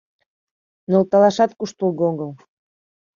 Нӧлталашат куштылго огыл.